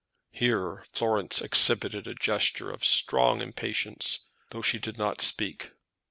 Here Florence exhibited a gesture of strong impatience, though she did not speak.